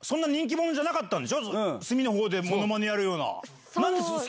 隅の方でものまねやるような。